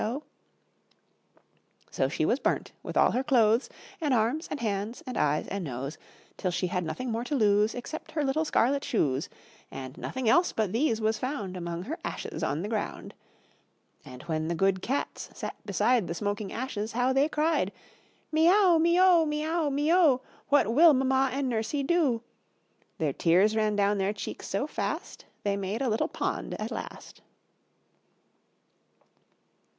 So she was burnt, with all her clothes, And arms, and hands, and eyes, and nose; Till she had nothing more to lose Except her little scarlet shoes; And nothing else but these was found Among her ashes on the ground. And when the good cats sat beside The smoking ashes, how they cried! "Me ow, me oo, me ow, me oo, What will Mamma and Nursey do?" Their tears ran down their cheeks so fast, They made a little pond at last.